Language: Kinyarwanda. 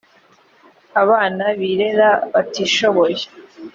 abana birera batishoboye